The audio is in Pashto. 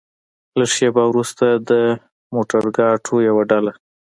شېبه وروسته د موترګاټو يوه ډله.